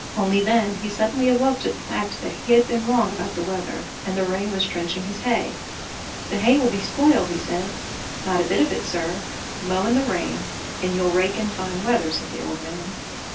Only then he suddenly awoke to the fact that he had been wrong about the weather and the rain was drenching his hay. "The hay will be spoiled," he said. "Not a bit of it, sir; mow in the rain, and you'll rake in fine weather!" said the old man.